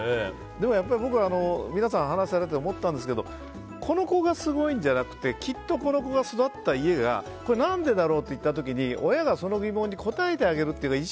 でもやっぱり僕は皆さんが話されてて思ったんですけどこの子がすごいんじゃなくてきっと、この子が育った家がこれ何でだろうといった時に親がその疑問に答えてあげるというのがね。